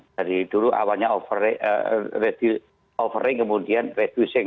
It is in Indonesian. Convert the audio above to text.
dari dulu awalnya offering kemudian reduising